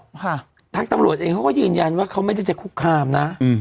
ค่ะทางตำรวจเองเขาก็ยืนยันว่าเขาไม่ได้จะคุกคามนะอืม